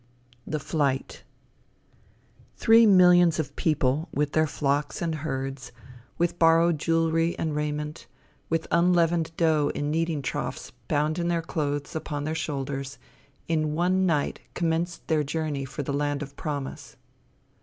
THE FLIGHT Three millions of people, with their flocks and herds, with borrowed jewelry and raiment, with unleavened dough in kneading troughs bound in their clothes upon their shoulders, in one night commenced their journey for the land of promise.